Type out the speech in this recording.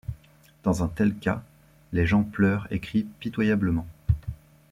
Dans un tel cas, les gens pleurent et crient pitoyablement.